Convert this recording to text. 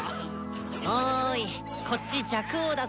おーいこっち若王だぞ。